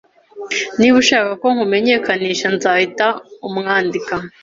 Niba ushaka ko nkumenyekanisha, nzahita umwandika.